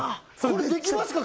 これできますか？